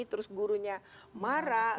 terus gurunya marah